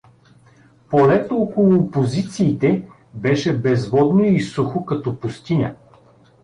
Полето около позициите беше безводно и сухо, като пустиня.